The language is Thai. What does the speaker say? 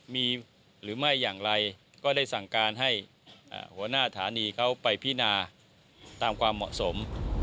มีหรือไม่อย่างไรก็ได้สั่งการให้หัวหน้าฐานีเขาไปพินาตามความเหมาะสม